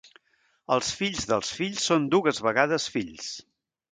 Els fills dels fills són dues vegades fills.